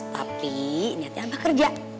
tapi niatnya abah kerja